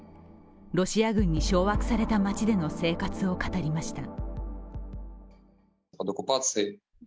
ロシア軍に掌握された街での生活を語りました。